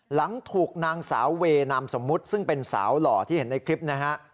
หลังถูกนางสาวเวนามสมมุติซึ่งเป็นสาวหล่อที่เห็นในคลิปนะฮะ